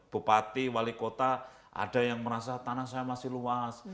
bupati wali kota ada yang merasa tanah saya masih luas